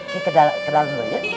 kita ke dalam dulu yuk